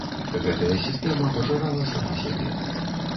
Гэтая сістэма пажырала сама сябе.